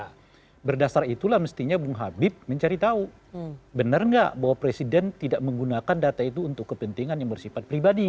jadi pada dasar itulah mestinya bung habib mencari tahu benar enggak bahwa presiden tidak menggunakan data itu untuk kepentingan yang bersifat pribadi